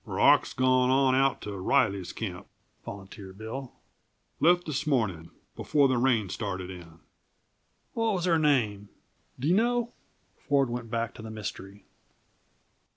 "Rock's gone on out to Riley's camp," volunteered Bill. "Left this morning, before the rain started in." "What was her name do you know?" Ford went back to the mystery.